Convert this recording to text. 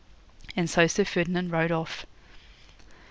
'And so Sir Ferdinand rode off.'